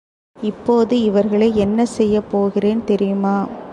இப்போது இவர்களை என்ன செய்யப்போகிறேன் தெரியுமா?